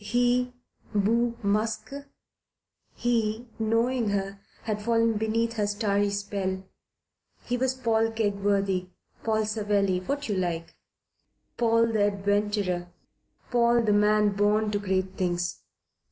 He beau masque! He, knowing her, had fallen beneath her starry spell. He was Paul Kegworthy, Paul Savelli, what you like; Paul the adventurer, Paul the man born to great things.